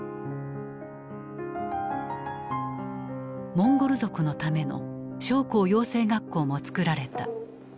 モンゴル族のための将校養成学校もつくられた。